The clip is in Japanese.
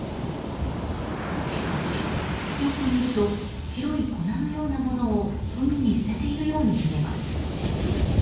しかし、よく見ると白い粉のようなものを海に捨てているように見えます。